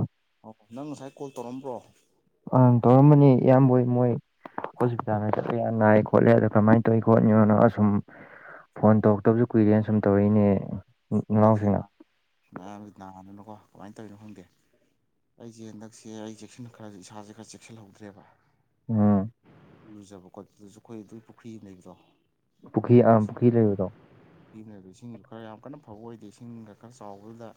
ꯑ ꯑꯣ ꯅꯪ ꯉꯁꯥꯏ ꯀꯣꯜ ꯇꯧꯔꯝꯕ꯭ꯔꯣ ꯑ ꯇꯧꯔꯝꯕꯅꯤ ꯏꯌꯥꯝꯕ ꯃꯣꯏ ꯍꯣꯁꯄꯤꯇꯥꯜꯗ ꯆꯠꯄ ꯌꯥꯝ ꯅꯥꯏꯌꯦ ꯈꯣꯠꯂꯦ ꯑꯗꯣ ꯀꯔꯃꯥꯏꯅ ꯇꯧꯋꯤ ꯈꯣꯠꯅꯤꯣꯅꯣ ꯑꯁꯨꯝ ꯐꯣꯟ ꯇꯧꯔꯛꯇꯕꯁꯨ ꯀꯨꯏꯔꯦꯅ ꯁꯨꯝ ꯇꯧꯔꯛꯏꯅꯦ ꯉꯛ ꯅꯅꯥꯎꯁꯤꯡꯅ ꯉꯔꯥꯡ ꯅꯥꯗꯅꯀꯣ ꯀꯃꯥꯏꯅ ꯇꯧꯔꯤꯅꯣ ꯈꯪꯗꯦ ꯑꯩꯁꯦ ꯍꯟꯗꯛꯁꯦ ꯑꯩ ꯆꯦꯛꯁꯤꯟ ꯈꯔꯦ ꯏꯁꯥꯁꯦ ꯈꯔ ꯆꯦꯛꯁꯤꯟꯍꯧꯗ꯭ꯔꯦꯕ ꯎꯝ ꯏꯔꯨꯖꯕꯥ ꯈꯣꯠꯄꯗꯖꯨ ꯑꯩꯈꯣꯏ ꯑꯗꯨꯏ ꯄꯨꯈ꯭ꯔꯤ ꯂꯩꯇ꯭ꯔꯣ ꯄꯨꯈ꯭ꯔꯤ ꯑꯥ ꯄꯨꯈ꯭ꯔꯤ ꯂꯩꯕꯗꯣ ꯄꯕꯅꯦ ꯏꯁꯤꯡꯁꯨ ꯈꯔ ꯌꯥꯝ ꯀꯟꯅ ꯐꯕ ꯑꯣꯏꯗꯦ ꯏꯁꯤꯡ ꯈ ꯈꯔ ꯆꯥꯎꯕꯗꯨꯗ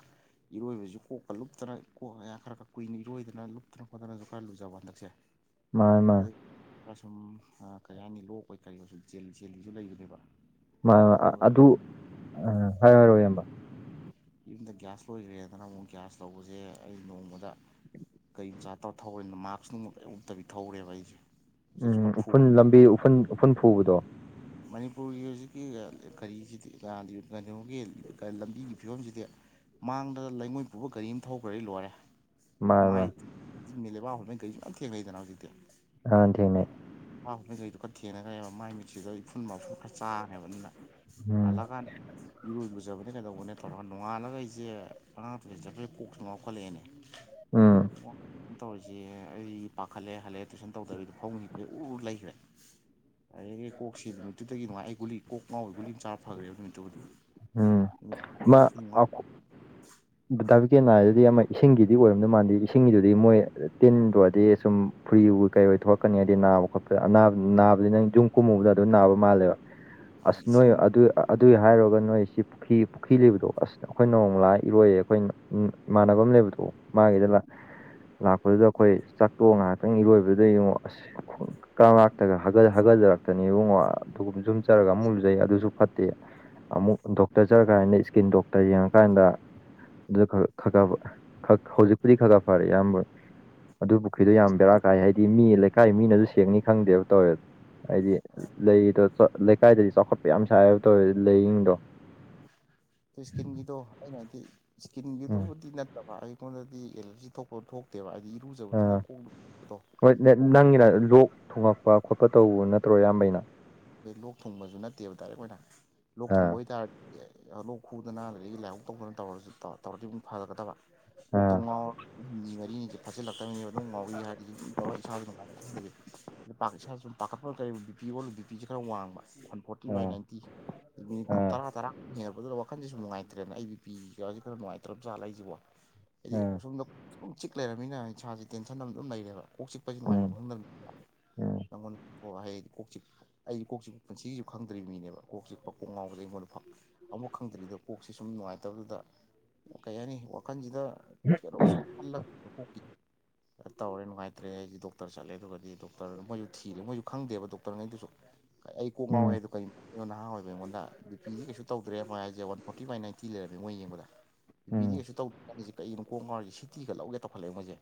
ꯏꯔꯣꯏꯕꯁꯨ ꯀꯣꯛꯀ ꯂꯨꯞꯇꯅ ꯀꯣꯛꯑꯒꯌꯥ ꯈꯔ ꯈꯔ ꯀꯨꯏꯅ ꯏꯔꯣꯏꯗꯅ ꯂꯨꯞꯇꯅ ꯈꯣꯠꯇꯅꯁꯨ ꯈꯔ ꯂꯨꯖꯕ ꯍꯟꯗꯛꯁꯦ ꯃꯥꯅꯦ ꯃꯥꯅꯦ ꯑꯩ ꯑꯁꯨꯝ ꯀꯔꯤ ꯍꯥꯏꯅꯤ ꯂꯣꯛꯑꯣꯏ ꯀꯔꯤꯑꯣꯏ ꯆꯦꯜꯂꯤꯁꯨ ꯂꯩꯕꯗꯕ ꯃꯥꯅꯦ ꯑ ꯑꯗꯨ ꯑ ꯍꯥꯏꯔꯣ ꯌꯨꯝ ꯍꯥꯢꯔꯣ ꯏꯌꯥꯝꯕ [unintelligible] ꯌꯨꯝꯗ ꯒ꯭ꯌꯥꯁ ꯂꯣꯏꯈ꯭ꯔꯦꯗꯅ ꯑꯃꯨꯛ ꯒ꯭ꯌꯥꯁ ꯂꯧꯕꯁꯦ ꯑꯩ ꯅꯣꯡꯃꯗ ꯀꯩ ꯃꯆꯥ ꯇꯧꯔ ꯊꯧꯔꯔꯤꯅꯣ ꯃꯥꯛꯁ ꯅꯨꯡꯕ ꯀꯩ ꯎꯞꯇꯕꯤ ꯊꯧꯔꯦꯕ ꯑꯩꯁꯦ ꯎꯝ ꯎꯆꯦꯛꯁꯨ ꯈꯔ ꯐꯨꯕ ꯎꯐꯨꯟ ꯂꯝꯕꯤ ꯎꯐꯨꯟ ꯎꯐꯨꯟ ꯐꯨꯕꯗꯣ [inaudible] ꯃꯅꯤꯄꯨꯔꯒꯤ ꯍꯧꯖꯤꯛꯀꯤ ꯀꯔꯤꯁꯤꯗꯤ ꯀꯩꯅꯣꯒꯤ ꯂꯝꯕꯤꯒꯤ ꯐꯤꯕꯝꯁꯤꯗꯤ ꯃꯥꯡꯗ ꯂꯩꯉꯣꯏ ꯄꯨꯕ ꯒꯥꯔꯤ ꯑꯃ ꯊꯧꯈ꯭ꯔꯗ ꯂꯣꯏꯔꯦ ꯃꯥꯅꯦ ꯃꯥꯏ ꯃꯥꯅꯦ ꯍꯧꯖꯤꯛꯁꯦ ꯂꯩꯕꯥꯛ ꯍꫭꯟꯕꯩ ꯈꫭꯠꯄꯩ ꯃꯌꯥꯝ ꯊꯦꯡꯅꯩꯗꯅ ꯍꯧꯖꯤꯛꯇꯤ ꯅꯍꯥꯟ ꯊꯦꯡꯅꯩ ꯩꯗꯨ ꯈ ꯊꯦꯡꯅꯈꯕ ꯃꯥꯏ ꯃꯤꯠꯆꯗ ꯎꯐꯨꯟ ꯋꯥꯏꯐꯨꯟ ꯈꯔ ꯆꯥꯒ꯭ꯔ°ꯕ ꯑꯗꯨꯅ ꯎꯝ ꯍꯟꯂꯛꯑꯀꯥꯟ ꯏꯔꯣꯏ ꯂꯖꯕꯅꯦ ꯀꯩꯗꯧꯕꯅꯦ ꯇꯧꯔꯒ ꯅꯣꯡꯉꯥꯜꯂꯒ ꯑꯩꯁꯦ ꯑꯉꯥꯡꯊꯁ ꯆꯠꯄꯩ ꯀꯣꯛꯁꯨꯅ ꯉꯎꯈꯠꯂꯛꯑꯦꯅꯦ ꯎꯝ [unintelligible] ꯇꯧꯔꯤꯁꯦ ꯑꯩꯗꯤ ꯄꯥꯈꯠꯂꯦ ꯍꯂꯛꯑꯦ ꯇꯨꯏꯁꯟ ꯇꯧꯗꯕꯤꯗ ꯐꯃꯨꯡꯖꯦ ꯎ ꯂꯩꯈ꯭ꯔꯦ ꯑꯗꯒꯤ ꯀꯣꯛꯁꯤ ꯅꯨꯃꯤꯠꯇꯨꯗꯒꯤ ꯅꯨꯡꯉꯥꯏ ꯒꯨꯂꯤ ꯀꯣꯛ ꯉꯥꯎꯕꯩ ꯒꯨꯂꯤ ꯆꯥꯔ ꯐꯈꯒ꯭ꯔꯦꯕ ꯅꯨꯃꯤꯠꯇꯨꯕꯨꯗꯤ ꯎꯝ ꯅꯨꯃꯤꯠ ꯃꯥ ꯀꯣꯛꯁꯨ ꯉꯥꯎ ꯑꯈ ꯗꯥꯕꯤꯛꯀꯦꯟꯅ ꯅꯥꯏꯗꯨꯗꯤ ꯑꯃ ꯏꯁꯤꯡꯒꯤꯗꯤ ꯑꯣꯏꯔꯝꯗꯣꯏ ꯃꯥꯟꯗꯦ ꯏꯁꯤꯡꯒꯤꯗꯨꯗꯤ ꯃꯣꯏ ꯇꯤꯟꯗꯨꯑ‌ꯣꯏꯔꯗꯤ ꯁꯨꯝ ꯐꯨꯔꯤꯕꯨ ꯀꯩ ꯑꯣꯏ ꯊꯣꯛꯂꯛꯀꯅꯤ ꯍꯥꯏꯗꯤ ꯅꯥꯕ ꯈꯣꯠꯄꯗ ꯑꯅꯥꯕ ꯅꯥꯕꯗꯤ ꯅꯪ ꯌꯨꯝ ꯀꯨꯝꯃꯨꯕꯗ ꯑꯗꯨꯝ ꯅꯥꯕ ꯃꯥꯜꯂꯦꯕ [inaudible] ꯑꯁ ꯅꯣꯏ ꯏꯁꯤꯡ ꯑꯗꯨ ꯑꯗꯨꯏ ꯍꯥꯏꯔꯨꯔꯒ ꯅꯣꯏꯁꯤ ꯄꯨꯈ꯭ꯔꯤ ꯄꯨꯈ꯭ꯔꯤ ꯂꯩꯕꯗꯣ ꯑꯁ ꯑꯩꯈꯣꯏ ꯅꯣꯡꯃ ꯂꯥꯛꯑ ꯏꯔꯣꯏꯌꯦ ꯑꯩꯈꯣꯏ ꯏꯃꯥꯟꯅꯅꯕ ꯂꯩꯕꯗꯣ ꯃꯥꯒꯤꯗ ꯂꯥꯛ ꯂꯥꯛꯄꯗꯨꯗ ꯑꯩꯈꯣꯏ ꯆꯥꯛꯇꯣꯛ ꯉꯥꯏꯍꯥꯛꯇꯪ ꯏꯔꯣꯏꯕꯗ ꯌꯦꯡꯉꯣ ꯑꯁ ꯀꯛꯂꯥꯛꯇꯒ ꯍꯒꯥ ꯍꯒꯥꯆꯔꯛꯇꯅꯤ ꯏꯕꯨꯡꯉ ꯑꯗꯨꯒꯨꯝ ꯌꯨꯝ ꯆꯠꯂꯒ ꯑꯃꯨꯛ ꯂꯨꯖꯩ ꯑꯗꯨꯁꯨ ꯐꯠꯇꯦ ꯑꯃꯨꯛ ꯗꯣꯛꯇꯔ ꯆꯠꯂꯀꯥꯟꯗ ꯏꯁꯀꯤꯟ ꯗꯣꯛꯇꯔ ꯌꯦꯡꯉꯀꯥꯟꯗ ꯑꯗꯨ ꯈ ꯈꯥ [unintelligible] ꯍꯧꯖꯤꯛꯄꯨꯗꯤ ꯈꯀꯥꯛ ꯈꯀꯥꯛ ꯐꯔꯦ ꯑꯌꯥꯝꯕ ꯑꯗꯨ ꯄꯨꯈ꯭ꯔꯤꯗꯣ ꯌꯥꯝ ꯕꯦꯔꯥ ꯀꯥꯏ ꯍꯥꯏꯗꯤ ꯃꯤ ꯂꯩꯀꯥꯏ ꯃꯤꯅꯁꯨ ꯁꯦꯡꯅꯤ ꯈꯪꯗꯦꯕ ꯇꯧꯋꯦꯕ ꯍꯥꯏꯗꯤ ꯂꯩꯗꯣ ꯂꯩꯀꯥꯏꯗꯗꯤ ꯆꯥꯎꯈꯠꯄ ꯌꯥꯝ ꯁꯥꯏꯕ ꯇꯧꯋꯦ ꯂꯩꯔꯤꯖꯤꯡꯗꯣ ꯏꯁꯀꯤꯟꯒꯤꯗꯣ ꯑꯩꯅ ꯍꯥꯏꯗꯤ ꯏꯁꯀꯤꯟꯒꯤꯗꯨꯕꯨꯗꯤ ꯅꯠꯇꯕ ꯑꯩꯉꯣꯟꯗꯗꯤ ꯑꯦꯂꯔꯖꯤ ꯊꯣꯛꯄ ꯊꯣꯛ ꯅꯠꯇꯦꯕ ꯍꯥꯏꯗꯤ ꯏꯔꯨꯖꯕꯗꯨꯗ ꯑꯥ ꯀꯣꯛꯗꯣ [unintelligible] ꯀꯣꯛ ꯆꯤꯛ ꯂꫭꯛ ꯊꯣꯡꯉꯛꯄ ꯈꯣꯠꯄ ꯇꯧꯕ ꯅꯠꯇ꯭ꯔꯣ ꯏꯌꯥꯝꯕꯩꯅ ꯑꯗꯩ ꯂꯣꯛ ꯊꯨꯡꯕꯁꯨ ꯅꯠꯇꯦꯕ ꯗꯥꯏꯔꯦꯛ ꯑꯣꯏꯅ ꯂꯣꯛ ꯊꯨꯡꯕ ꯑꯥ ꯑꯣꯏꯇꯥꯔꯗꯤ ꯂꯣꯛ ꯈꯨꯗꯅ ꯑꯗꯥꯒꯤ ꯂꯥꯏꯍꯧ ꯇꯧꯗꯅ ꯇꯧꯔꯁꯨ ꯇꯧꯔꯗꯤ ꯑꯗꯨꯝ ꯐꯒꯗꯕ ꯀꫭꯛꯇꯣ ꯑꯥ ꯉꯥꯎꯔ ꯎꯝ ꯍꯨꯝꯅꯤ ꯃꯔꯤꯅꯤ ꯁꯦ ꯐꯥꯖꯤꯜꯂꯛꯇꯕꯅꯦꯕ ꯑꯗꯨꯝ ꯉꯥꯎꯔꯤ ꯍꯥꯏꯔꯤꯗꯨ ꯇꯧꯔ ꯏꯁꯥꯁꯤ ꯅꯨꯉꯥꯏꯐꯝ ꯈꯪꯗꯕꯤ ꯃꯤꯠ-ꯄꯥ ꯏꯁꯥꯁꯨꯨꯝ ꯄꯥꯈꯠꯄ ꯀꯒ ꯕꯤꯄꯤ ꯑꯣꯜꯂ ꯕꯤꯄꯤꯁꯤ ꯈꯔ ꯋꯥꯡꯕ one forty by um ninety minute ꯇꯔꯥ ꯇꯔꯥ ꯍꯦꯜꯉꯛꯄꯗꯨꯗ ꯋꯥꯈꯟꯁꯦꯁꯨ ꯅꯨꯡꯉꯥꯏꯇ꯭ꯔꯦꯅ ꯑꯩ ꯕꯤ ꯄꯤ ꯀꯥꯁꯦ ꯈꯔ ꯅꯨꯡꯉꯥꯏꯇ꯭ꯔꯕ ꯖꯥꯠꯂꯥ ꯑꯩꯁꯤꯕꯣ ꯍꯥꯏꯗꯤ ꯎꯝ ꯁꯣꯃꯗꯥ ꯁꯨꯝꯝ ꯆꯤꯛ ꯂꯩꯔꯕꯅꯤꯅ ꯏꯁꯥꯁꯦ ꯇꯦꯟꯁꯟ ꯑꯃ ꯑꯗꯨꯝ ꯂꯩꯔꯦꯕ ꯀꯣꯛꯆꯤꯛꯄꯥꯁꯦ ꯎꯝ ꯅꯨꯡꯉꯥꯏꯐꯝ ꯈꯪꯗꯕꯅꯤꯅ ꯎꯝ ꯅꯪꯉꯣꯟꯗꯤ [unintelligible] ꯀꯣꯛ ꯆꯤꯛꯄ ꯑꯩꯗꯤ ꯀꯣꯛ ꯆꯤ ꯄꯨꯟꯁꯤꯒꯤꯁꯨ ꯈꯪꯗ꯭ꯔꯤꯕ ꯃꯤꯅꯦꯕ ꯀꯣꯛ ꯆꯤꯛꯄ ꯀꫭꯛ ꯉꯥꯎꯕꯗ ꯑꯩꯉꯣꯟꯗ ꯐꯥꯎ ꯑꯃꯨꯛ ꯈꯪꯗ꯭ꯔꯤꯗ ꯀꫭꯛꯁꯦ ꯁꯨꯝ ꯅꯨꯡꯉꯥꯏꯇꯕꯗꯨꯗ ꯀꯩ ꯍꯥꯏꯅꯤ ꯋꯥꯈꯜꯁꯤꯗ ꯀꯩꯅꯣꯝ ꯁꯨꯝ ꯈꯪꯂꯥꯛꯄ ꯀꫭꯛꯀꯤ ꯇꯧꯔꯦ ꯅꯨꯡꯉꯥꯏꯇ꯭ꯔꯦ ꯑꯩꯁꯦ ꯗꯥꯛ ꯗꯣꯛꯇꯔ ꯆꯠꯂꯦ ꯑꯗꯨꯒꯗꯤ ꯗꯣꯛꯇꯔ ꯃꯣꯏꯁꯨ ꯊꯤꯔꯦ ꯃꯣꯏꯁꯨ ꯈꯪꯗꯦꯕ ꯗꯣꯛꯇꯔꯅꯩꯗꯨꯁꯨ ꯑꯩ ꯀꯣꯛ ꯉꯥꯎꯋꯦ ꯎꯝ ꯎꯝ ꯑꯗꯨ ꯀꯔꯤ ꯅꯍꯥ ꯑꯣꯏꯕ ꯑꯩꯉꯣꯟꯗ ꯕꯤ ꯄꯤ ꯗꯤ ꯀꯩꯁꯨ ꯇꯧꯗ꯭ꯔꯦ ꯃꫭꯏ ꯍꯥꯏꯁꯦ ꯋꯥꯟ ꯐꯣꯔꯇꯤ ꯕꯥꯏ ꯅꯥꯏꯟꯇꯤ ꯂꯩꯔꯕꯃꯦ ꯃꯣꯏ ꯌꯦꯡꯕꯗ ꯕꯤ ꯗꯤ ꯎꯝ ꯑ°ꯁ° ꯇꯧꯒ° ꯈꯟꯂꯤꯖꯦ ꯀꯩꯅꯣ ꯀꯣꯛ ꯉꯥꯎꯔꯤꯁꯤ ꯁꯤꯇꯤꯒ ꯂꯧꯒꯦ ꯇꯧꯈꯠꯂꯛꯑ° ꯃꯣꯏꯁꯦ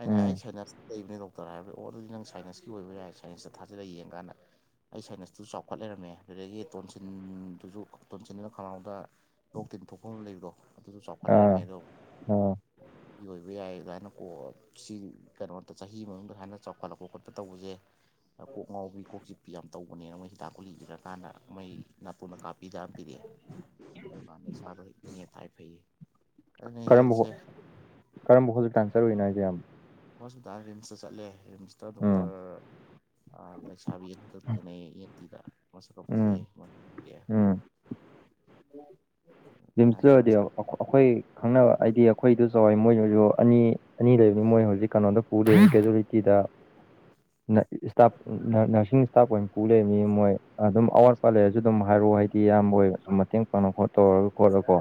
ꯑꯩꯅ ꯍꯥꯏ ꯑꯩ ꯎꯝ ꯁꯥꯏꯅꯁ ꯂꯩꯕꯅꯦ ꯗꯣꯛꯇꯔ ꯍꯥꯏꯕꯗꯤ ꯑꯣ ꯑꯗꯨꯗꯤ ꯅꯪ ꯁꯥꯏꯟꯁꯀꯤ ꯑꯣꯏꯕ ꯌꯥꯏ ꯁꯥꯏꯟꯁꯇ ꯊꯥꯖꯤꯜꯂꯒ ꯌꯦꯡ ꯀꯥꯟꯗ ꯑꯩ ꯁꯥꯏꯟꯁꯇꯨꯁꯨ ꯆꯥꯎꯈꯠ ꯂꯩꯔꯝꯃꯦ ꯑꯗꯨꯗꯒꯤ ꯇꯣꯟꯁꯤꯟꯗꯨꯁꯨ ꯇꯣꯟꯁꯤꯟꯗꯨꯅ ꯈꯅꯥꯎꯗ ꯂꯣꯛ ꯇꯤꯟ ꯊꯣꯛꯐꯝ ꯂꯩꯕꯗꯣ ꯑꯗꯨꯁꯨ ꯆꯥꯎꯈꯠ ꯑꯥ ꯂꯩꯔꯝꯃꯦ ꯑꯗꯣ ꯑꯥ ꯁꯤ ꯑꫭꯏꯕ ꯌꯥꯏ ꯑꯗꯨꯃꯥꯏꯅ ꯀꯣ ꯁꯤ ꯀꯩꯅꯣꯝꯇ ꯆꯍꯤ ꯃꯅꯨꯡꯗ ꯍꯥꯟꯅ ꯆꯥꯎꯈꯠꯂꯛꯄ ꯈꯣꯠꯄ ꯇꯧꯕꯁꯦ ꯀꯣꯛ ꯉꯧꯕꯤ ꯀꯣꯛ ꯆꯤꯛ ꯄꯤ ꯌꯥꯝ ꯇꯧꯕꯅꯦ ꯃꯣꯏ ꯍꯤꯗꯥꯛ ꯒꯨꯂꯤ ꯏꯔꯛ ꯀꯥꯟꯗ ꯃꯣꯏ ꯅꯥꯇꯣꯟꯅꯗ ꯀꯥꯞꯄꯤ ꯌꯥꯝ ꯄꯤꯔꯛꯑꯦ ꯑꯗꯨ ꯀꯥꯟꯗ ꯏꯁꯥꯗꯣ ꯅꯦꯏ ꯇꯥꯏ ꯐꯩꯌꯦ ꯑꯗꯨꯅ ꯀꯔꯝꯕ ꯍꯦꯜꯠꯁꯦ ꯍꫭ ꯀꯔꯝꯕ ꯍꯣꯁꯄꯤꯇꯥꯜ ꯆꯥꯠꯂꯨꯏꯅꫭ ꯍꯥꯏꯁꯦ ꯏꯌꯥꯝꯕ ꯍꯣꯁꯄꯤꯇꯥꯜ ꯔꯤꯝꯁꯇ ꯆꯠꯂꯦ ꯔꯤꯝꯁꯇ ꯎꯝ ꯗꯣꯛꯇꯔ ꯂꯩꯁꯥꯥꯕꯤ ꯏ ꯑꯦꯟ ꯇꯤ ꯇꯥꯏ ꯃꯁꯥꯛꯀ ꯎꯝ ꯐꯖꯩꯌꯦ ꯎꯝ [unintelligible] ꯔꯤꯝꯁꯗ ꯑꯗꯨꯃꯥꯏꯅ ꯇꯧꯔꯗꯤ ꯇꯧꯔꯤ ꯑꯩꯈꯣꯏ ꯈꯪꯅꯕ ꯍꯥꯏꯗꯤ ꯑꯩꯈꯣꯏ ꯏꯤꯗꫭꯝꯆꯥ ꯍꫭꯏ ꯃꯣꯏꯁꯨ ꯑꯅꯤ ꯑꯅꯤ ꯂꯩꯕꯅꯤ ꯃꯣꯏ ꯍꯧꯖꯤꯛ ꯀꯩꯅꯣꯗ ꯄꯨ ꯂꯩ ꯀꯦꯖꯨꯋꯂꯤꯇꯤꯗ [inaudible] ꯏꯁꯇꯥꯞ ꯅꯔꯁꯤꯡ ꯏꯁꯇꯥꯐ ꯑꯣꯏꯅ ꯄꯨ ꯂꯩ ꯃꯤ ꯃꯣꯏ ꯑꯗꯨꯝ ꯑꯋꯥꯠꯄ ꯂꯩꯔꯁꯨ ꯑꯗꯨꯝ ꯍꯥꯏꯔꯛꯑꯣ ꯍꯥꯏꯗꯤ ꯑꯌꯥꯝꯕ ꯑꯣꯏ ꯁꯨꯝ ꯃꯇꯦꯡ ꯄꯥꯡꯅ ꯈꯣ ꯇꯧꯔꯒ ꯈꯣꯠꯂꯀꯣ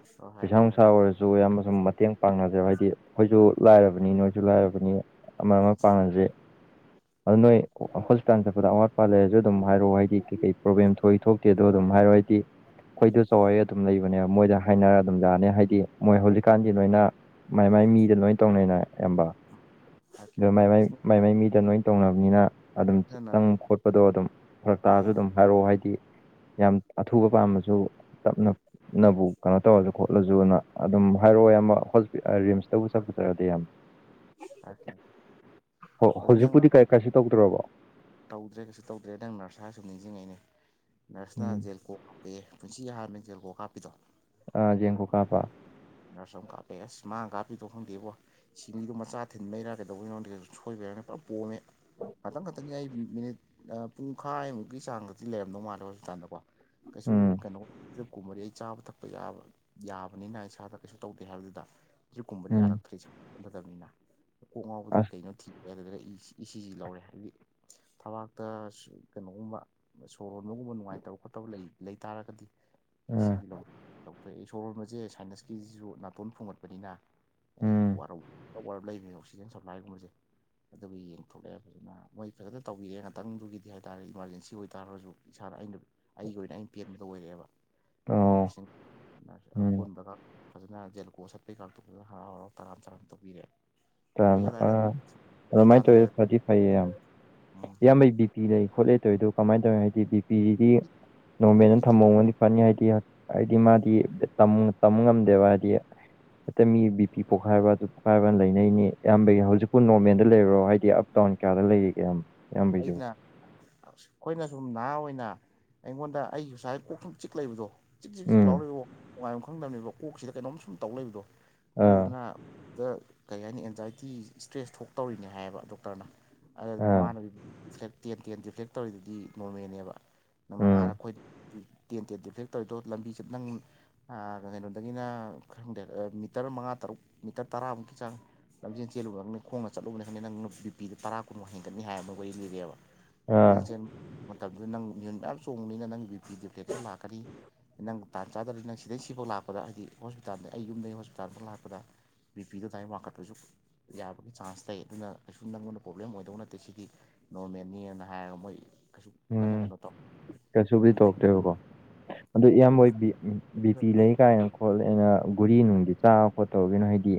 ꯅꯔꯁꯇꯣ ꯄꯩꯁꯥ ꯍꯥꯏꯔꯛꯀꯦ ꯅꯨꯡꯁꯥ ꯍꯥꯏꯔꯛꯀꯦ ꯑꯣꯏꯔꯁꯨ ꯁꯨ ꯏꯌꯥꯝꯕ ꯁꯨꯝ ꯃꯇꯦꯡ ꯄꯥꯡꯅꯖꯦꯕ ꯍꯥꯏꯗꯤ ꯑꯩꯈꯣꯏꯁꯨ ꯂꯥꯏꯔꯕꯅꯤ ꯅꯣꯏꯁꯨ ꯂꯥꯏꯔꯕꯅꯤ ꯑꯃ ꯑꯃ ꯄꯥꯡꯅꯖꯦ [unintelligible] ꯑꯗꯨ ꯅꯣꯏ ꯍꯣꯁꯄꯤꯇꯥꯜ ꯆꯠꯄꯗ ꯑꯋꯥꯠ ꯑꯄꯥ ꯂꯩꯔꯁꯨ ꯑꯗꯨꯝ ꯍꯥꯏꯔꯛꯑꯣ ꯍꯥꯏꯗꯤ ꯀꯩ ꯀꯩ ꯄꯔꯣꯕꯂꯦꯝ ꯊꯣꯛꯏ ꯊꯣꯛ ꯑꯗꯨꯗꯣ ꯑꯗꯨꯝ ꯍꯥꯏꯔꯣꯏꯑꯣ ꯑꯩꯗꯤ ꯑꯩꯈꯣꯏꯗꯣ ꯇꯧꯔꯛꯑꯦ ꯑꯗꯨꯝ ꯂꯩꯕꯅꯦꯕ ꯃꯣꯏꯗ ꯍꯥꯏꯅꯔꯒ ꯑꯗꯨꯝ ꯌꯥꯅꯤ ꯍꯥꯏꯗꯤ ꯃꯣꯏ ꯍꯧꯖꯤꯛꯀꯥꯟꯗꯤ ꯂꯣꯏꯅ ꯃꯥꯏ ꯃꯥꯏ ꯃꯤꯗ ꯂꯣꯏ ꯇꯧꯅꯩꯅ ꯏꯌꯥꯝꯕ [inaudible] ꯑꯗꯨ ꯃꯥꯏ ꯍꯥꯏꯔꯛꯀꯦ ꯃꯥꯏ ꯃꯥꯏ ꯃꯤꯗ ꯅꯣꯏ ꯇꯧꯅꯕꯅꯤꯅ ꯑꯗꯨꯝ ꯅꯪꯅ ꯆꯪꯕ ꯈꯣꯠꯄꯗꯣ ꯑꯗꯨꯝ ꯐꯔꯛ ꯇꯥꯔꯁꯨ ꯑꯥ ꯑꯗꯨꯝ ꯍꯥꯏꯔꯛꯑꯣ ꯍꯥꯏꯗꯤ ꯌꯥꯝ ꯑꯊꯨꯕ ꯄꯥꯝꯃꯁꯨ ꯇꯞꯅ ꯅꯕꯨ ꯀꯩꯅꯣ ꯇꯧꯔꯁꯨ ꯈꯣꯠꯂꯁꯨꯅ ꯑꯗꯨꯝ ꯍꯥꯏꯔꯛꯑꯣ ꯌꯥꯝ ꯑꯃ ꯍꯣꯁ ꯔꯤꯝꯁꯇꯕꯨ ꯆꯠꯄ ꯆꯠꯂꯗꯤ ꯌꯥꯝ [inaudible] ꯑꯣ ꯑꯗꯨ ꯅꯪ ꯍꯧꯖꯤꯛꯄꯨꯗꯤ ꯀꯥꯏ ꯀꯥꯏꯁꯨ ꯇꯧꯗ꯭ꯔꯕꯣ ꯇꯧꯗ꯭ꯔꯦ ꯀꯩꯁꯨ ꯇꯧꯗ꯭ꯔꯦ ꯅꯪ ꯅꯔꯁ ꯍꯥꯏꯔꯁꯨ ꯅꯤꯡꯁꯤꯡꯉꯏꯅꯦ ꯎꯝ ꯅꯔꯁꯅ ꯀꯣꯛ ꯀꯞꯄꯦ ꯄꯨꯟꯁꯤꯒꯤ ꯍꯍꯥꯟꯕꯖꯦꯜ ꯀꯣꯛ ꯀꯥꯞꯄꯤꯗꯣ ꯑ ꯌꯦꯡ ꯀꯣ ꯀꯥꯄꯥ ꯅꯁ ꯑꯃꯝ ꯀꯥꯞꯄꯦ ꯑꯁ ꯃꯥꯥꯡ ꯀꯥꯄꯤꯗꯣ ꯈꯪꯗꯦꯕꯣ ꯁꯤꯅꯤꯗꯣ ꯃꯆꯥ ꯊꯤꯟꯕꯩꯔꯥ ꯀꯩꯗꯧꯕꯒꯤꯉꯗ ꯀꯩꯁꯨꯣꯏꯕ ꯌꯥꯔꯅꯤꯅ ꯄꯨꯔꯥ ꯄꯣꯝꯃꯦ ꯈꯇꯪ ꯈꯇꯪꯅꯤ ꯃꯤꯅꯤ ꯄꯨꯡꯈꯥꯏꯃꯨꯛꯀꯤ ꯆꯥꯡꯗꯗꯤ ꯂꯩꯔꯝꯗꯧ ꯃꯥꯜꯂꯦ ꯍꯣꯁꯄꯤꯇꯥꯜꯗꯀꯣ ꯀꯩꯁꯨ ꯎꯝ ꯀꯩꯅꯣ ꯐꯞ ꯀꯨꯝꯃꯗꯤ ꯑꯩ ꯆꯥꯕ ꯊꯛꯄ ꯌꯥꯕ ꯌꯥꯕꯅꯤꯅ ꯏꯁꯥꯗ ꯀꯩꯁꯨ ꯇꯧꯗꯦ ꯍꯥꯏꯕꯗꯨꯗ ꯑꯗꯨꯛ ꯀꯨꯝꯕꯗꯤ ꯎꯝ ꯌꯥꯔꯛꯇ꯭ꯔꯦ ꯀ ꯁꯅꯗꯕꯅꯤꯅ ꯀꯣꯛ ꯉꯥꯎꯕꯗꯨ ꯑꯁ ꯀꯩꯅꯣ ꯊꯤꯛꯑꯦ ꯑꯗꯨ ꯁꯤꯁꯤ ꯂꯧꯔꯦ ꯍꯥꯏꯕꯗꯤ ꯊꯕꯥꯛꯇ ꯀꯩꯅꯣꯒꯨꯝꯕ ꯁꯣꯔ ꯍꯣꯟꯕꯒꯨꯝꯕ ꯅꯨꯡꯉꯥꯏꯇꯕ ꯈꯣꯠꯇꯕ ꯂꯩ ꯇꯥꯔꯒꯗꯤ ꯁꯤ ꯎꯝ ꯂꯧꯊꯣꯛꯑꯦ ꯁꯣꯔꯣꯟꯕꯁꯦ ꯁꯥꯏꯟꯁꯀꯤꯁꯤꯁꯨ ꯅꯥꯇꯣꯟ ꯐꯣꯡꯒꯠꯄꯅꯤꯅ ꯎꯝ ꯋꯥꯔ ꯂꯩꯕꯅꯦ ꯑꯣꯛꯁꯤꯖꯦꯟ ꯁꯄ꯭ꯂꯥꯏꯒꯨꯝꯕꯁꯦ ꯑꯗꯨꯒ ꯌꯦꯡꯊꯣꯛꯂꯛꯑꯦ ꯐꯖꯅ ꯃꯣꯏ ꯐꯖꯅ ꯇꯧꯕꯤꯔꯛꯦ ꯉꯥꯛꯇꯪꯗꯨꯒꯤꯗꯤ ꯍꯥꯏꯇꯥꯔꯦ ꯏꯃꯥꯔꯖꯦꯟꯁꯤ ꯑꯣꯏꯇꯥꯔꯁꯨ ꯏꯁꯥꯅ ꯑꯩꯅ ꯑꯩꯒꯤ ꯑꯣꯏꯅ ꯑꯩꯅ ꯄꯦꯟꯕꯗ ꯑꯣꯏꯔꯛꯑꯦꯕ ꯑꯩꯅ ꯑꯣ ꯅꯔꯁꯤꯡ ꯅꯔꯁ ꯎꯝ ꯀꯟꯕꯒ ꯐꯖꯅ ꯖꯦꯜꯂꯀꯣ ꯁꯠꯄꯩ ꯀꯥꯡꯇꯣꯛꯇꯗ ꯍꯔꯥꯎꯔꯥꯎ ꯇꯔꯥꯝ ꯆꯔꯥꯅ ꯇꯧꯕꯤꯔꯦ ꯐꯩꯌꯦ ꯑꯗꯥꯏꯅ ꯑ ꯑꯗꯨꯃꯥꯏꯅ ꯍꯣꯁꯄꯤꯇꯥꯜꯗ ꯇꯧꯋꯦ ꯂꯩꯔ ꯐꯥꯔꯇꯤ ꯐꯩꯌꯦ ꯑꯌꯥꯝ ꯎꯝ ꯏꯌꯥꯝꯕꯩꯕꯤ ꯕꯤ ꯄꯤ ꯂꯩ ꯈꯣꯠ ꯂꯩ ꯇꯧꯔꯤ ꯑꯗꯣ ꯀꯃꯥꯏꯅ ꯇꯧꯋꯤ ꯍꯥꯏꯗꯤ ꯕꯤ ꯄꯤꯁꯤꯗꯤ ꯅꯣꯔꯃꯦꯜ ꯕꯤꯄꯤꯗꯤ ꯊꯝꯍꯧꯒꯅꯤ ꯐꯅꯤ ꯍꯥꯏꯗꯤ ꯍꯥꯏꯗꯤ ꯃꯥꯗꯤ ꯇꯝ ꯉꯝꯗꯦꯕ ꯍꯥꯏꯗꯤ ꯍꯦꯠꯇ ꯃꯤ ꯕꯤ ꯄꯄꯤ ꯄꯣꯛꯈꯥꯏꯕ ꯑꯗꯨ ꯄꯣꯛꯈꯥꯏꯕ ꯂꯩꯅꯤ ꯅꯤ ꯑꯌꯥꯝꯕꯒꯤ ꯍꯧꯖꯤꯛꯄꯨ ꯅꯣꯔꯃꯦꯜꯗ ꯂꯩꯔꯣ ꯍꯥꯏꯗꯤ ꯑꯞ ꯇꯥꯎꯟ ꯀꯌꯥꯗ ꯂꯩꯔꯤꯒ ꯑꯩꯅ ꯑꯁ ꯑꯩꯈꯣꯏꯅ ꯁꯨꯝ ꯅꯍꯥ ꯑꯣꯏꯅ ꯑꯩꯉꯣꯟꯗ ꯑꯩꯒꯤ ꯉꯁꯥꯏ ꯄꯣꯛꯨꯝ ꯆꯤꯛ ꯂꯩꯕꯗꯣ ꯆꯖꯤꯛ ꯆꯖꯤꯛ ꯆꯖꯤꯛ ꯎꯝ ꯂꯥꯎꯔꯛꯏꯕ ꯉꯥꯏꯌ ꯈꯪꯗꯕꯅꯦꯕ ꯀꯣꯛꯁꯤꯗ ꯀꯩꯅꯣꯝ ꯁꯨꯝ ꯇꯧ ꯂꯩꯏꯕꯗꯣ ꯑꯥ ꯑꯗꯨꯗꯨꯅ ꯗ ꯀꯩ ꯍꯥꯏꯅꯤ ꯑꯦꯟꯖꯥꯏꯇꯤ ꯏꯁꯇ꯭ꯔꯦꯁ ꯊꯣꯛꯇꯧꯔꯤꯅꯦ ꯍꯥꯏꯌꯦꯕ ꯗꯣꯛꯇꯔꯅ ꯑ ꯑꯥ ꯃꯥꯅ ꯐ꯭ꯂꯦꯛ ꯇꯦꯟ ꯇꯦꯟ ꯔꯤꯐ꯭ꯂꯦꯛ ꯇꯧꯔꯤꯗꯨꯗꯤ ꯅꯣꯔꯃꯦꯅꯦꯕ ꯅꯪꯅ ꯎꯝ ꯍꯥꯟꯔ ꯑꯩꯈꯣꯏ ꯇꯦꯟ ꯇꯦꯟ ꯗꯦ ꯐ꯭ꯂꯦꯛ ꯇꯧꯔꯤꯗꯣ ꯂꯝꯕꯤꯁꯦ ꯅꯪ ꯀꯩꯅꯣꯗꯒꯤꯅ ꯈꯔ ꯈꯪꯗꯦ ꯃꯤꯇꯔ ꯃꯉꯥ ꯇꯔꯨꯛ ꯃꯤꯇꯔ ꯇꯔꯥꯃꯨꯛꯀꯤ ꯆꯪꯉꯦ ꯂꯝꯖꯦꯜ ꯆꯦꯜꯂꯨꯕ ꯈꯪꯅꯤ ꯈꯣꯡꯅ ꯆꯠꯂꯨꯕ ꯈꯪꯅꯤ ꯅꯪ ꯅꯨ ꯕꯤꯄꯤꯗ ꯇꯔꯥ ꯀꯨꯟꯃꯛ ꯍꯦꯟꯒꯠꯅꯤ ꯍꯥꯏꯕ ꯔꯤꯕ ꯑꯥ ꯂꯝꯖꯦꯟꯦꯜ ꯃꯇꯝꯗꯨꯗ ꯅꯪ ꯃꯤꯨꯟ ꯌꯥꯝ ꯆꯣꯡꯕꯅꯤꯅ ꯅꯪ ꯕꯤꯗꯤꯑꯣ ꯄ꯭ꯂꯦꯠꯁꯨ ꯂꯥꯛꯒꯅꯤ ꯅꯪ ꯇꯥꯟ ꯆꯥꯗꯔꯤ ꯅꯪ ꯁꯤꯗꯩ ꯁꯤꯐꯥꯎ ꯂꯥꯛꯄꯗ ꯍꯥꯏꯗꯤ ꯍꯣꯁꯄꯤꯇꯥꯜꯗ ꯑꯩ ꯌꯨꯝꯗꯒꯤꯩ ꯍꯣꯁꯄꯤꯇꯥꯜꯐꯥꯎ ꯂꯥꯛꯄꯗ ꯕꯤꯄꯤꯗꯗꯥꯥꯏꯝ ꯋꯥꯡꯈꯠꯄꯁꯨ ꯌꯥꯕꯒꯤ ꯆꯥꯟꯁ ꯂꯩ ꯑꯗꯨꯅ ꯀꯩꯁꯨꯨꯝ ꯅꯪꯉꯣꯟꯗ ꯄ꯭ꯔꯣꯕ꯭ꯂꯦꯝ ꯑꯣꯏꯗꯧ ꯅꯠꯇꯦ ꯁꯤꯗꯤ ꯅꯣꯔꯃꯦꯜꯅꯤꯅ ꯍꯥꯏꯔꯒ ꯃꯣꯏ ꯀꯩꯁꯨ ꯀꯟꯅ ꯎꯝ ꯀꯩꯅꯣ ꯇꯧ ꯀꯩꯁꯨꯕꯨꯗꯤ ꯇꯧꯔꯛꯇꯦꯕꯀꯣ ꯑꯗꯨ ꯏꯌꯥꯝꯕꯣꯏꯕꯤ ꯕꯤ ꯄꯤ ꯂꯩ ꯀꯥꯏꯅꯣ ꯍꯣꯠꯂ ꯑꯩꯅ ꯒꯨꯔꯤ ꯅꯨꯡꯗꯤ ꯆꯥꯕ ꯈꯣꯠ ꯇꯧꯔꯤꯒꯤꯅꯣ ꯍꯥꯏꯗꯤ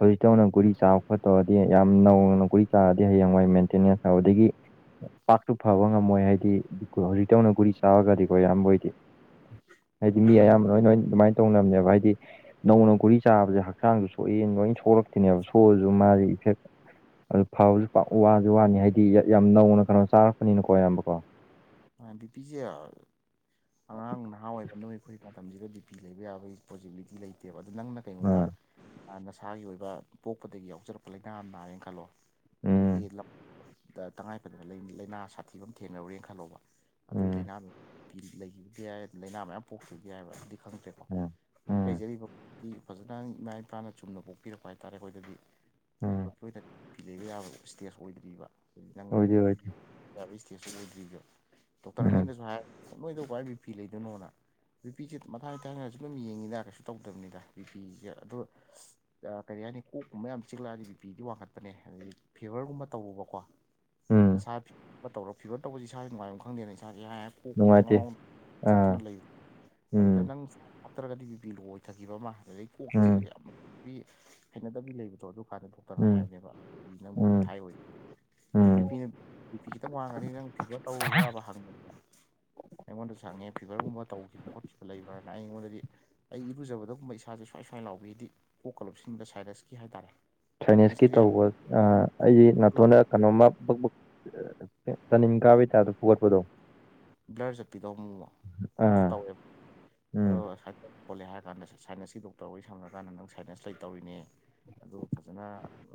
ꯍꯧꯖꯤꯛꯛꯇꯧꯅ ꯒꯨꯔꯤ ꯆꯥꯕ ꯈꯣꯠꯇꯧꯔꯗꯤ ꯌꯥꯝ ꯅꯧꯅ ꯒꯨꯔꯤ ꯆꯥꯔꯗꯤ ꯍꯌꯦꯡꯋꯥꯏ ꯃꯦꯟꯇꯦꯅꯦꯟꯁ ꯇꯧꯕꯗꯒꯤ ꯄꯥꯛꯇꯨ ꯐꯕ ꯉꯝꯃꯣꯏ ꯍꯥꯏꯗꯤ ꯍꯧꯖꯤꯛꯛꯇꯧꯅ ꯒꯨꯔꯤ ꯆꯥꯔꯒꯗꯤꯀꯣ ꯌꯥꯝꯕꯣꯏꯗꯤ ꯍꯥꯏꯗꯤ ꯃꯤ ꯑꯌꯥꯝꯕ ꯂꯣꯏꯣꯏ ꯑꯗꯨꯃꯥꯏꯅ ꯇꯧꯅꯕꯅꯦꯕ ꯍꯥꯏꯗꯤ ꯅꯧꯅ ꯒꯨꯔꯤ ꯆꯥꯕꯁꯦ ꯍꯛꯆꯥꯡꯁꯨ ꯁꯣꯛꯑꯦꯅ ꯂꯣꯏ ꯁꯣꯛꯂꯛꯇꯦꯅꯦꯕ ꯁꯣꯛꯑꯁꯨ ꯃꯥꯁꯦ ꯏꯐꯦꯛ ꯑꯗꯨ ꯐꯕꯁꯨ ꯋꯥꯁꯨ ꯋꯥꯅꯤ ꯍꯥꯏꯗꯤ ꯌꯥꯝ ꯅꯧꯅ ꯀꯩꯅꯣ ꯆꯥꯔꯛꯄꯅꯤꯅ ꯀꯌꯥꯝꯕꯀꯣ ꯕꯤꯄꯤꯁꯦ ꯑꯉꯥꯡ ꯅꯍꯥ ꯑꯣꯏꯕ ꯅꯨꯃꯤꯠ ꯑꯩꯈꯣꯏ ꯃꯇꯝꯁꯤꯗ ꯕꯤ ꯄꯤ ꯂꯩꯕ ꯌꯥꯕꯒꯤ ꯄꯣꯖꯤꯕꯤꯂꯤꯇꯤ ꯂꯩꯇꯦꯕ ꯑꯗꯨꯗ ꯅꯪꯅ ꯀꯩꯒꯨꯝꯕ ꯎꯝ ꯅꯁꯥꯒꯤ ꯑꯣꯏꯕ ꯄꯣꯛꯄꯗꯒꯤ ꯌꯥꯎꯖꯔꯛꯄ ꯂꯥꯏꯅꯥ ꯑꯃ ꯅꯥꯔꯦꯅ ꯈꯜꯂꯣ ꯑꯗꯒꯤ ꯎꯝ ꯇꯉꯥꯏꯐꯗꯅ ꯂꯥꯏꯅꯥ ꯁꯥꯊꯤꯕ ꯊꯦꯡꯅꯔꯨꯔꯦꯅ ꯈꯜꯂꯧꯕ ꯑꯗꯨꯒꯤ ꯎꯝ ꯂꯥꯏꯅꯥ ꯂꯩꯈꯤꯕꯗꯤ ꯌꯥ ꯂꯥꯏꯅꯥ ꯃꯌꯥꯝ ꯄꯣꯛꯈꯤꯕꯕꯗꯤ ꯌꯥꯏꯑꯕ ꯑꯗꯨꯗꯤ ꯈꯪꯗꯦ ꯎꯝ ꯎꯝ ꯂꯩꯖꯔꯤꯕꯗꯤ ꯐꯖꯅ ꯏꯃꯥ ꯏꯄꯥꯅ ꯆꯨꯝꯅ ꯄꯣꯛꯄꯤꯔꯛꯄ ꯍꯥꯏꯇꯥꯥꯔꯦ ꯑꯩꯈꯣꯏꯗꯗꯤ ꯎꯝ ꯑꯩꯈꯖꯤ ꯇꯣꯏꯗ ꯄꯤ ꯂꯩꯕ ꯌꯥꯕ ꯏꯁꯇꯦꯖ ꯑꯣꯏꯗ꯭ꯔꯤꯕ ꯅꯪ ꯑꯣꯏꯗꯤ ꯑꯣꯏꯗꯦ ꯌꯥ ꯏꯁꯇꯦꯖꯇ ꯑꯣꯏꯗ꯭ꯔꯤꯔꯤꯕꯣ ꯎꯝ ꯗꯣꯛꯇꯔꯉꯩꯗꯁꯨ ꯍꯥꯏ ꯅꯣꯏꯗꯧ ꯀꯏ ꯕꯤ ꯐꯤ ꯂꯩꯗꯣꯏꯅꯣꯅ ꯕꯤꯄꯤꯤꯁꯦ ꯃꯊꯥꯡ ꯊꯪꯅꯁꯨ ꯑꯗꯨꯝ ꯌꯦꯡꯉꯤꯗ ꯀꯩꯁꯨ ꯇꯧꯗꯕꯅꯤꯗ ꯕꯤꯄꯤꯤꯁꯦ ꯑ ꯀꯔꯤ ꯍꯥꯏꯅꯤ ꯀꯣꯛꯀꯨꯝꯕ ꯌꯥꯝ ꯆꯛꯂꯛꯑꯗꯤꯄꯤꯤꯗꯤ ꯋꯥꯡꯈꯠꯄꯅꯦ ꯑꯗꯨꯗꯤ ꯐꯤꯕꯔꯒꯨꯝꯕ ꯇꯧꯕꯨꯕꯀꯣ ꯎꯝ ꯅꯁꯥ ꯐꯤ ꯇꯧꯔꯣ ꯐꯤꯕꯔ ꯇꯧꯕꯁꯤ ꯏꯁꯥꯁꯨ ꯉꯥꯏꯔꯝ ꯈꯪꯗꯦꯅ ꯏꯁꯥꯁꯦ ꯍꯥꯏ ꯅꯨꯡꯉꯥꯏꯇꯦ ꯉꯥꯎ ꯑꯥ ꯆꯤꯛꯇꯨꯅ ꯂꯩ ꯑꯗꯨꯗ ꯎꯝ ꯅꯪ ꯅꯠꯇ꯭ꯔꯒꯗꯤ ꯌꯄꯤ ꯂꯣꯏꯊꯈꯤꯕ ꯑꯃ ꯑꯗꯨꯗꯩ ꯀꯣꯛ ꯆꯤ ꯎꯝ ꯍꯩꯅꯗꯕꯤ ꯂꯩꯕꯗꯣ ꯑꯗꯨ ꯀꯥꯟꯗ ꯊꯣꯛꯇꯅ ꯎꯝ ꯍꯥꯏꯕꯅꯦꯕ ꯅꯪ ꯄꯤ ꯎꯝ ꯍꯥꯏꯌ ꯎꯝ ꯕꯤꯄꯤꯅ ꯕꯤꯄꯤ ꯈꯤꯇꯪ ꯋꯥꯡꯉꯅꯤ ꯅꯪ ꯐꯤꯚꯔ ꯇꯧꯔꯨꯕ꯭ꯔꯥꯕ ꯍꯪꯕ ꯑꯩꯉꯣꯟꯗꯁꯨ ꯍꯪꯉꯦ ꯐꯤꯕꯔꯒꯨꯝꯕ ꯇꯧꯈꯤꯕ ꯈꯣꯠꯈꯤꯕ ꯂꯩꯕ꯭ꯔꯅ ꯑꯩꯉꯣꯟꯗꯗꯤ ꯑꯩ ꯏꯔꯨꯖꯕꯗꯒꯨꯝꯕ ꯏꯁꯥꯁꯦ ꯁ꯭ꯋꯥꯏ ꯁ꯭ꯋꯥꯏ ꯂꯥꯎꯕꯤꯗꯤ ꯀꯣꯛꯀ ꯂꯣꯁꯤꯟꯕꯗ ꯁꯥꯏꯔꯁꯀꯤ ꯍꯥꯏꯇꯥꯔꯦ ꯐ꯭ꯔꯥꯏꯅꯦꯁꯀꯤ ꯁꯥꯏꯅꯁꯀꯤꯗꯤ ꯇꯧꯕ ꯑꯩꯁꯤ ꯅꯥꯇꯣꯟꯅ ꯀꯩꯅꯣꯝꯃ ꯕꯛ-ꯕꯛ ꯃꯅꯤꯟ ꯀꯥꯕꯩꯇꯥ‍꯭ꯞ ꯇ ꯐꯨꯒꯠꯄꯗꯣ ꯕ꯭ꯂꯔ ꯆꯠꯄꯤꯗꯧ ꯑꯃꯨꯛ-ꯑꯃꯨꯛ ꯑꯗꯨ ꯑꯥ ꯇꯧꯋꯦꯕ ꯎꯝ ꯑꯗꯨꯒ ꯑꯁ ꯄꯣꯜꯂꯦ ꯍꯥꯏꯔ ꯀꯥꯟꯗ ꯁꯥꯏꯟꯁꯀꯤ ꯗꯣꯛꯇꯔ ꯋꯥꯔꯤ ꯁꯝꯅꯀꯥꯟꯗ ꯅꯪ ꯁꯥꯏꯟꯁ ꯂꯩꯇꯧꯔꯤꯅꯦ ꯑꯗꯨꯒ ꯐꯖꯅ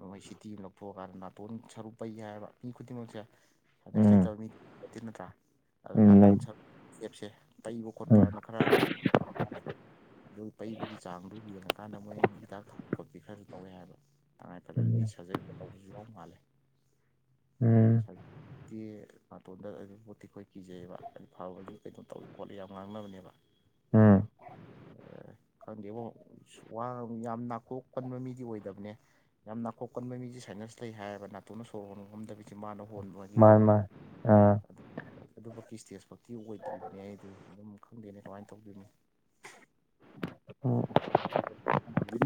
ꯃꯣꯏ ꯁꯤꯇꯤ ꯑꯃ ꯂꯧꯊꯣꯛꯑꯀꯥꯟꯗ ꯅꯥꯇꯣꯟ ꯁꯔꯨꯛ ꯄꯩ ꯍꯥꯏꯕ ꯃꯤ ꯈꯨꯗꯤꯡꯃꯛꯁꯦ ꯐꯥꯏꯅꯥꯁ ꯎꯝ ꯂꯩꯇꯕ ꯃꯤꯠꯇ ꯅꯠꯇ꯭ꯔꯥ ꯑꯗꯨ ꯎꯝ ꯅꯥꯇꯣꯟ ꯂꯩ ꯁꯔ ꯑꯦꯞꯁꯦ ꯇꯩꯕ ꯎꯝ ꯈꯣꯠꯄꯅ ꯈꯔꯅ ꯑꯗꯨ ꯄꯩꯕꯒꯤ ꯆꯥꯡꯗꯨ ꯌꯦꯡꯉꯀꯥꯟꯗ ꯃꯣꯏ ꯍꯤꯗꯥꯛ ꯊꯄ ꯈꯣꯠꯄꯤꯤ ꯈꯔꯁꯨ ꯇꯧꯋꯦ ꯍꯥꯏꯕ ꯇꯉꯥꯏ ꯐꯗ꯭ꯔꯗꯤ ꯁꯖꯔꯤ ꯇꯧꯕꯁꯨ ꯌꯥꯎ ꯃꯥꯜꯂꯦ ꯎꯝ ꯁ ꯃꯇꯅꯥꯇꯣꯟꯗ ꯑꯗꯨꯝꯣꯠꯇꯤꯈꯣꯏ ꯀꯤꯖꯩꯌꯦꯕ ꯍꯥꯏ ꯐꯥꯎꯕꯁꯨ ꯀꯩꯅꯣ ꯇꯧꯗ ꯈꯣꯠꯂꯦ ꯌꯥꯝ ꯉꯥꯡꯅꯕꯅꯦꯕ ꯎꯝ ꯈꯪꯗꯦꯕ ꯋꯥ ꯌꯥꯝ ꯅꯥꯊꯣꯛ ꯀꯟꯕ ꯃꯤꯗꯤ ꯑꯣꯏꯗꯕꯅꯦ ꯌꯥꯝ ꯅꯥꯀꯣꯛ ꯀꯟꯕ ꯃꯤꯁꯦ ꯁꯥꯏꯅꯁ ꯂꯩ ꯍꯥꯏꯌꯦꯕ ꯅꯥꯇ‌ꯣꯟꯅ ꯁꯣꯔ ꯍ‌ꯣꯟꯉꯝꯗꯕꯤ ꯆꯤꯟꯕꯥꯟ ꯃꯥ ꯃꯥ ꯑꯥ ꯑꯗꯨꯐꯀꯤ ꯏꯁꯇꯦꯖ ꯐꯛꯇꯤ ꯑꯣꯏꯗ꯭ꯔꯤꯕꯅꯤ ꯑꯩꯗꯤ ꯑꯗꯨꯝ ꯈꯪꯗꯦꯅꯦ ꯀꯃꯥꯏꯅ ꯇꯧꯕꯗꯅꯣ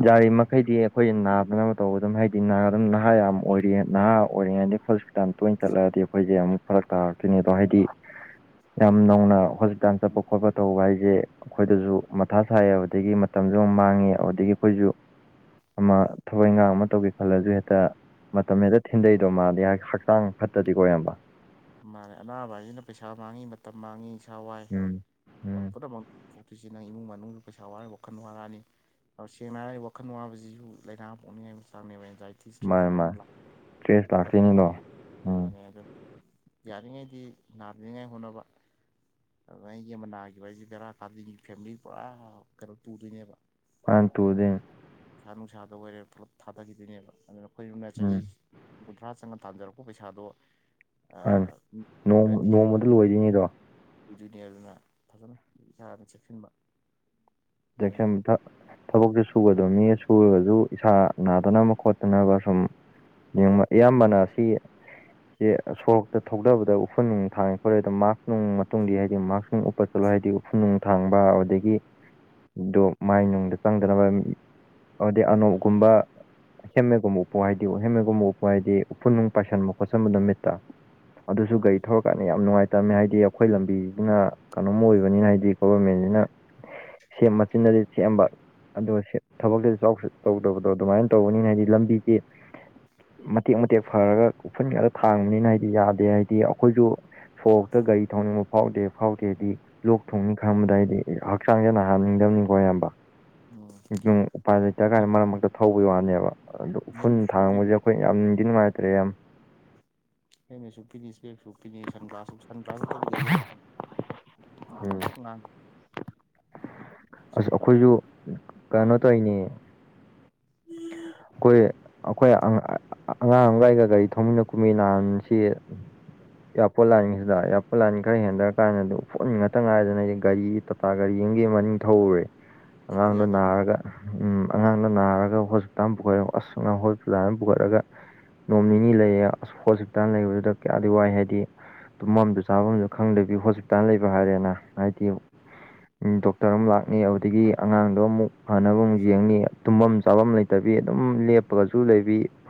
ꯔꯤ ꯃ ꯍꯥꯏꯗꯤ ꯑꯩꯈꯣꯏ ꯅꯥꯕꯅꯕ ꯇꯧꯕ ꯑꯗꯨꯝ ꯍꯥꯏꯗꯤ ꯑꯗꯨꯝ ꯅꯍꯥ ꯌꯥꯝ ꯑꯣꯏꯔꯤꯌꯦ ꯅꯍꯥ ꯑꯣꯏꯔꯤꯉꯩꯗ ꯇꯣꯏꯅ ꯆꯠꯂꯛꯑꯗꯤ ꯑꯩꯈꯣꯏꯁꯦ ꯑꯃꯨꯛ ꯐꯔꯛ ꯇꯥꯔꯛꯇꯣꯏꯅꯦ ꯑꯗꯣ ꯍꯥꯏꯗꯤ ꯌꯥꯝ ꯅꯧꯅ ꯍꯣꯁꯄꯤꯇꯥꯜ ꯆꯠꯄ ꯈꯣꯠꯄ ꯇꯧꯕ ꯍꯥꯏꯁꯦ ꯑꯩꯈꯣꯏꯗꯁꯨ ꯃꯊꯥ ꯁꯥꯏ ꯑꯗꯨꯗꯒꯤ ꯃꯇꯝꯁꯨ ꯑꯃ ꯃꯥꯡꯉꯦ ꯑꯗꯨꯗꯒꯤ ꯑꯩꯈꯣꯏꯁꯨ ꯑꯃ ꯊꯋꯥꯏ ꯏꯈꯥꯡ ꯑꯃ ꯇꯧꯒꯦ ꯈꯜꯂꯁꯨ ꯍꯦꯛꯇ ꯃꯇꯝ ꯍꯦꯛꯇ ꯊꯤꯟꯗꯩꯗꯣ ꯃꯥꯗꯤ ꯍꯥꯏ ꯍꯛꯆꯥꯡ ꯐꯠꯇꯗꯤ ꯀꯣꯏꯔꯝꯕ ꯃꯥꯂ ꯑꯅꯥꯕ ꯍꯥꯏꯁꯤꯅ ꯄꯩꯁꯥ ꯃꯥꯡꯉꯤ ꯃꯇꯝ ꯃꯥꯡꯉꯤ ꯏꯁꯥ ꯋꯥꯏ ꯎꯝ ꯎꯝ ꯄꯨꯝꯅꯃꯛ ꯑꯗꯨꯣꯏꯁꯤꯦ ꯅꯪ ꯏꯃꯨꯡ ꯃꯅꯨꯡ ꯄꯩꯁꯥ ꯋꯥꯔꯒ ꯋꯥꯈꯜ ꯋꯥꯔꯛꯑꯅꯤ ꯁꯦꯡꯅ ꯍꯥꯏꯔꯒꯤ ꯋꯥꯈꯜ ꯋꯥꯕꯁꯤꯁꯨ ꯂꯥꯏꯅꯥ ꯑꯃ ꯄꯣꯛꯛꯅꯤꯡꯉꯥꯏ ꯃ ꯆꯥꯡꯅꯦꯕ ꯑꯦꯟꯖꯥꯏꯇꯤ ꯏꯁꯇ꯭ꯔꯦꯁ ꯃꯥꯅꯤ ꯃꯌꯥꯝ ꯃꯥꯅꯤ ꯂ ꯇ꯭ꯔꯦꯁ ꯍꯥꯏꯐꯠ ꯂꯥꯛꯈꯤꯅꯤꯗꯣ ꯎꯝ ꯃꯥꯅꯦ ꯑꯗ ꯌꯥꯔꯤꯉꯩꯗꯤ ꯅꯥꯗ꯭ꯔꯤꯉꯥꯏ ꯍꯣꯠꯅꯕ ꯑꯗꯨꯅ ꯑꯩꯒꯤ ꯑꯃ ꯅꯥꯈꯤꯕ ꯑꯩꯁꯦ ꯕꯦꯔꯥ ꯀꯥꯗꯒꯤ ꯐꯦꯃꯤꯂꯤ ꯄꯨꯔꯥ ꯀꯩꯅꯣ ꯇꯨꯗꯣꯏꯅꯦꯕ ꯃꯅꯦ ꯇꯨꯗꯣꯏꯅꯦ ꯄꯩꯁꯥ ꯅꯨꯡꯁꯥꯗ ꯑꯣꯏꯔꯦ ꯄꯨꯂꯞ ꯊꯥꯗꯈꯤꯗꯣꯏꯅꯦꯕ ꯑꯗꯨꯅ ꯑꯩꯈꯣꯏꯨꯝꯅ ꯆꯍꯤ ꯎꯝ ꯀꯨꯟꯊ꯭ꯔꯥ ꯆꯪꯉ ꯇꯥꯟꯖꯔꯛꯄ ꯄꯩꯁꯥꯗꯣ ꯍꯥꯟꯅ ꯅꯣꯡ ꯑꯗꯨꯗꯤ ꯅꯣꯡꯃꯗ ꯂꯣꯏꯗꯣꯏꯅꯤꯗꯣ ꯖꯨꯅꯤꯌꯔꯗꯨꯅ ꯐꯖꯅ ꯏꯁꯅ ꯆꯦꯛꯁꯤꯟꯕ ꯖꯦꯛꯁꯟ ꯑꯃꯥ ꯊꯛ ꯊꯕꯛꯁꯦ ꯁꯨꯒꯗꯕꯅꯤ ꯁꯨꯔꯒꯁꯨ ꯏꯁꯥ ꯅꯥꯗꯅꯕ ꯈꯣꯠꯇꯅꯕ ꯁꯨꯝ ꯏꯌꯥꯝꯕꯅ ꯁꯤ ꯁꯣꯔꯣꯛꯇ ꯊꯧꯊꯕꯗ ꯎꯐꯨꯟ ꯅꯨꯡ ꯊꯥꯡꯉꯦ ꯈꯣꯠꯂꯦ ꯑꯗꯣ ꯃꯥꯛꯁ ꯅꯨꯡ ꯃꯇꯨꯡꯗꯤ ꯍꯥꯏꯗꯤ ꯃꯥꯛꯁ ꯅꯨꯡ ꯠ ꯆꯠꯂꯣ ꯍꯥꯏꯗꯤ ꯎꯐꯨ ꯅꯨꯡ ꯊꯥꯡꯕ ꯑꯗꯒꯤ ꯗꯣ ꯃꯥꯏꯅꯨꯡꯗ ꯆꯪꯗꯅꯕ ꯍꯥꯏꯗꯤ ꯑꯅꯣꯛꯀꯨꯝꯕ ꯍꯦꯝꯃꯦꯒꯨꯝꯕ ꯎꯞꯄꯨ ꯍꯥꯏꯗꯤ ꯍꯦꯝꯃꯦꯒꯨꯝꯕ ꯎꯞꯄꯨ ꯍꯥꯏꯗꯤ ꯎꯐꯨꯟ ꯅꯨꯡ ꯄꯥꯏꯁꯟꯕ ꯈꯣꯠꯆꯟꯕ ꯅꯨꯣ ꯃꯤꯠꯇ ꯑꯗꯨꯁꯨ ꯒꯥꯔꯤ ꯊꯧꯔꯀꯥꯟꯗ ꯌꯥꯝ ꯅꯨꯡꯉꯥꯏꯇꯕꯃꯦ ꯍꯥꯏꯗꯤ ꯑꯩꯈꯣꯏ ꯂꯝꯕꯤꯗꯨꯅ ꯀꯩꯅꯣꯝ ꯑꯣꯏꯕꯅꯤꯅ ꯍꯥꯏꯗꯤ ꯒꯣꯕꯔꯃꯦꯟꯁꯤꯅ ꯁꯦꯝ ꯃꯆꯤꯟꯗꯗꯤ ꯁꯦꯝꯝꯕ ꯑꯗꯣ ꯊꯕꯛꯇꯁꯨ ꯇꯧꯗꯕꯗꯣ ꯑꯗꯨꯃꯥꯏꯅ ꯇꯧꯕꯅꯤꯅ ꯍꯥꯏꯗꯤ ꯂꯝꯕꯤꯒꯤ ꯃꯇꯦꯛ ꯃꯇꯦꯛ ꯐꯔꯒ ꯎꯐꯨꯟ ꯈꯔ ꯊꯥꯡꯕꯅꯤꯅ ꯍꯥꯏꯗꯤ ꯌꯥꯗꯦ ꯍꯥꯏꯗꯤ ꯑꯩꯈꯣꯏꯁꯨ ꯁꯣꯔꯣꯛꯇ ꯒꯥꯔꯤ ꯊꯧꯅꯤꯡꯕ ꯐꯥꯎꯗꯦ ꯐꯥꯎꯗꯦ ꯍꯥꯏꯗꯤ ꯂꯣꯛ ꯊꯣꯡꯅꯤ ꯈꯔꯕꯗ ꯍꯥꯏꯗꯤ ꯍꯛꯆꯥꯡꯁ ꯅꯥ ꯍꯅꯤꯡꯗꯕꯅꯤꯀꯣ ꯑꯌꯥꯝꯕ ꯌꯥꯔꯤꯉꯩ ꯎꯄꯥꯏ ꯂꯩꯇ ꯀꯥꯏꯗ ꯃꯔꯛ ꯃꯔꯛꯇ ꯊꯧꯕꯒꯤ ꯋꯥꯅꯦꯕ ꯑꯗꯨ ꯎꯐꯨꯜ ꯊꯥꯡꯕꯁꯦ ꯑꯩꯈꯣꯏ ꯌꯥꯝ ꯅꯨꯡꯗꯤꯤ ꯅꯨꯡꯉꯥꯏꯇ꯭ꯔꯦ ꯌꯥꯝ ꯅ ꯃ ꯁꯨꯄꯤꯅꯤ ꯏꯁꯄ ꯁꯨꯄꯤꯅꯤ ꯁ꯭ꯂ ꯁꯟꯒ꯭ꯂꯥꯁ ꯇꯔ ꯀꯩꯒ ꯌꯥꯎꯁꯛꯅꯥ ꯑꯁ ꯒ꯭ꯂꯥꯁꯁꯨ ꯑꯩꯈꯣꯏꯁꯨ ꯄꯤꯅꯤ ꯀꯩꯅꯣ ꯃꯥꯛꯁꯨ ꯄꯤꯅꯤ ꯇꯧꯔꯤꯅꯦ ꯑꯩꯈꯣꯏ ꯑꯩꯈꯣꯏ ꯑꯉꯥꯡ ꯑꯃꯒꯒ ꯒꯥꯔꯤ ꯊꯧꯃꯤꯟꯅ ꯀꯨꯝꯃꯤꯟꯅꯥꯟ ꯁꯤ ꯎ ꯏꯌꯥꯔꯄꯣꯔꯠ ꯂꯥꯏꯟꯒꯤꯁꯤꯗ ꯏꯌꯥꯔꯄꯣꯔꯠ ꯂꯥꯏꯟ ꯈꯔ ꯍꯦꯟꯊꯔ ꯀꯥꯟꯗꯗꯤ ꯌꯐꯨꯟ ꯉꯥꯛꯇ ꯉꯥꯏꯗꯅ ꯑꯩꯗꯤ ꯒꯥꯔꯤ ꯇꯥꯇꯥ ꯒꯥꯔꯤ ꯌꯦꯡꯒꯤ ꯃꯅꯤꯡ ꯊꯧꯎꯔꯦ [inaudible] ꯑꯉꯥꯡꯅ ꯌꯥꯗꯕꯅꯤ ꯅꯔꯒ ꯎꯝ ꯑꯉꯥꯡꯅ ꯅꯔꯒ ꯍꯣꯁꯄꯤꯇꯥꯜ ꯑꯃ ꯄꯨꯈꯠ ꯑꯁ ꯍꯣꯁꯄꯤꯇꯥꯜ ꯑꯃ ꯄꯨꯈꯠꯂꯒ ꯅꯣꯡ ꯅꯤꯅꯤ ꯂꯩꯌꯦ ꯑꯁ ꯍꯣꯁꯄꯤꯇꯥꯜ ꯂꯩꯕꯗꯨꯗ ꯀꯌꯥꯗꯤ ꯋꯥꯏ ꯍꯥꯏꯗꯤ ꯇꯨꯝꯐꯝꯁꯨ ꯆꯥꯐꯝꯁꯨ ꯈꯪꯗꯕꯤ ꯍꯣꯁꯄꯤꯇꯥꯜ ꯂꯩꯕ ꯍꯥꯏꯔꯦꯅ ꯍꯥꯏꯗꯤ ꯗꯣꯛꯇꯔ ꯑꯃ ꯂꯥꯛꯅꯤ ꯑꯗꯨꯗꯒꯤ ꯑꯉꯥꯡꯗꯣ ꯑꯃꯨꯛ ꯐꯅꯕ ꯑꯃꯨꯛ ꯌꯦꯡꯅꯤ ꯇꯨꯝꯐꯝ ꯆꯥꯐꯝ ꯂꯩꯇꯕꯤ ꯑꯗꯨꯝ ꯂꯦꯞꯄꯒꯁꯨ ꯂꯩꯕꯤ